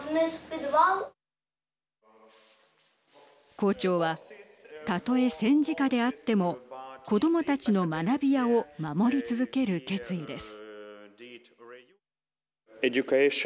校長はたとえ戦時下であっても子どもたちの学びやを守り続ける決意です。